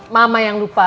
mama yang lupa